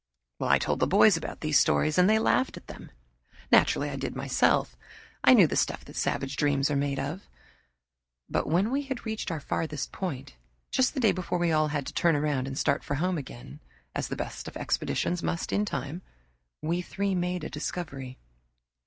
I told the boys about these stories, and they laughed at them. Naturally I did myself. I knew the stuff that savage dreams are made of. But when we had reached our farthest point, just the day before we all had to turn around and start for home again, as the best of expeditions must in time, we three made a discovery.